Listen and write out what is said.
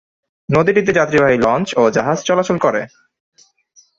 নদীটিতে যাত্রীবাহী লঞ্চ ও জাহাজ চলাচল করে।